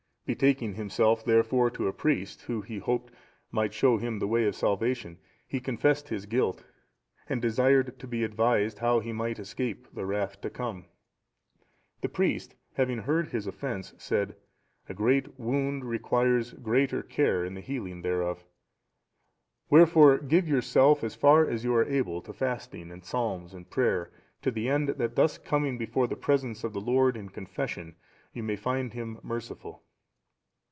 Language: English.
Betaking himself, therefore, to a priest, who, he hoped, might show him the way of salvation, he confessed his guilt, and desired to be advised how he might escape the wrath to come. The priest having heard his offence, said, "A great wound requires greater care in the healing thereof; wherefore give yourself as far as you are able to fasting and psalms, and prayer, to the end that thus coming before the presence of the Lord in confession,"(716) you may find Him merciful.